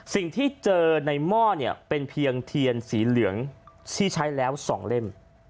สิ่งที่เจอในหม้อเนี่ยเป็นเพียงเทียนสีเหลืองที่ใช้แล้ว๒เล่ม